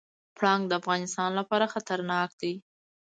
پړانګ د انسانانو لپاره خطرناک دی.